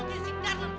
gak bisa main perempuan